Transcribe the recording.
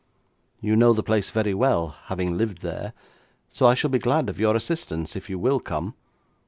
You know the place very well, having lived there, so I shall be glad of your assistance if you will come.